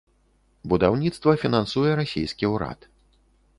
Будаўніцтва фінансуе расейскі ўрад.